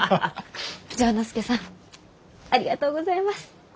丈之助さんありがとうございます。